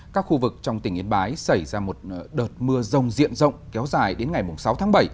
các khu vực trong tỉnh yên bái xảy ra một đợt mưa rồng diện rộng kéo dài đến ngày sáu tháng bảy